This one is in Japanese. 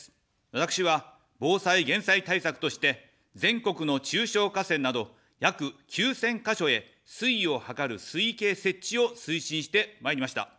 私は防災減災対策として、全国の中小河川など、約９０００か所へ水位を測る水位計設置を推進してまいりました。